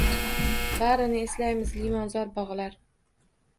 Barini eslaymiz, limonzor bog’lar